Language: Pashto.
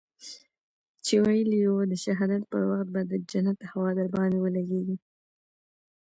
چې ويلي يې وو د شهادت پر وخت به د جنت هوا درباندې ولګېږي.